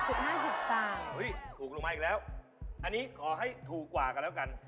ถูกลงมาอีกแล้วอันนี้ขอให้ถูกกว่ากันแล้วกัน